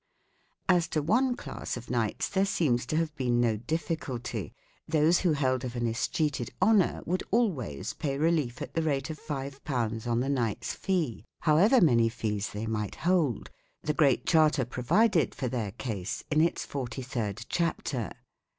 As to one class of knights there seems to have been no difficulty ; those who held of an escheated Honour would always pay relief at the rate of $ on the knight's fee, however many fees they might hold. The Great Charter provided for their case in its forty third chapter.